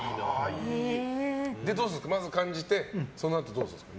それで風を感じてそのあとどうするんですか？